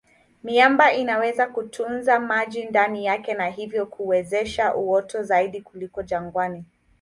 Miamba inaweza kutunza maji ndani yake na hivyo kuwezesha uoto zaidi kuliko jangwani.